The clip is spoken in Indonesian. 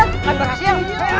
apakah kamu berani setup love